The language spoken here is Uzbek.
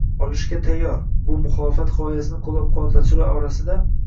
olishga tayyor. Bu muxolifat g‘oyasini qo‘llab-quvvatlovchilar orasida